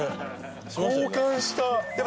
交換した。